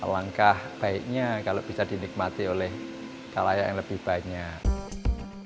langkah baiknya kalau bisa dinikmati oleh kalayak yang lebih banyak